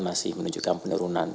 masih menunjukkan penurunan